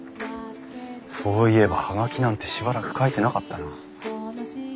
そういえば葉書なんてしばらく書いてなかったな。